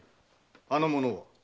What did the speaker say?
あの者は？